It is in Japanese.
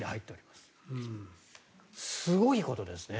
すごいことですね。